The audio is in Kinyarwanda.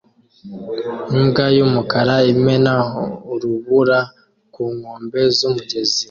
Imbwa y'umukara imena urubura ku nkombe z'umugezi